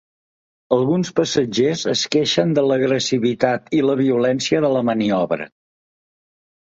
Alguns passatgers es queixen de l’agressivitat i la violència de la maniobra.